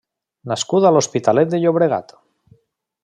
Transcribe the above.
Nascut a l'Hospitalet de Llobregat.